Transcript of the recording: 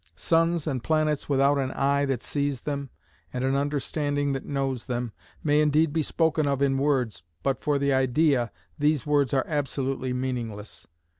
Suns and planets without an eye that sees them, and an understanding that knows them, may indeed be spoken of in words, but for the idea, these words are absolutely meaningless.